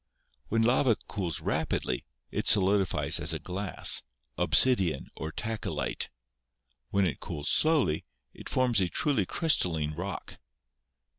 When lava cools rapidly, it solidifies as a glass — obsidian or tachylite. When it cools slowly, it forms a truly crystal line rock.